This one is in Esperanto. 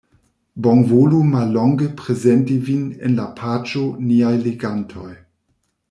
Bonvolu mallonge prezenti vin en la paĝo Niaj legantoj.